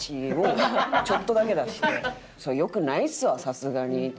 「それはよくないっすわさすがに」。